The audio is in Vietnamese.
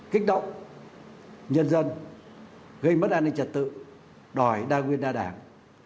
kích động nhân dân gây mất an ninh trật tự đòi đa nguyên đa đảng